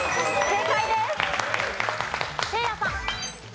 正解です。